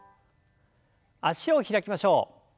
脚を開きましょう。